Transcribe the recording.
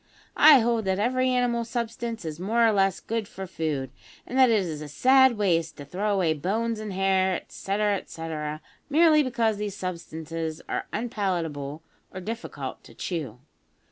I hold that every animal substance is more or less good for food, and that it is a sad waste to throw away bones and hair, etcetera, etcetera, merely because these substances are unpalatable or difficult to chew.